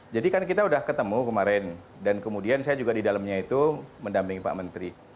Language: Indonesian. jadi kan kita sudah ketemu kemarin dan kemudian saya juga di dalamnya itu mendampingi pak menteri